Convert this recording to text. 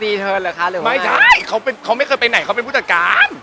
รีเทิร์นเหรอคะไม่ใช่เขาเป็นเขาไม่เคยไปไหนเขาเป็นผู้จัดการ